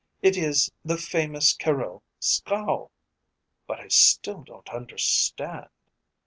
It is the famous Caryll scowl. But I still don't understand."